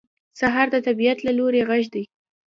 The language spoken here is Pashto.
سهار د طبیعت له لوري غږ دی.